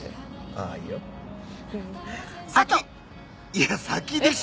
いや先でしょ！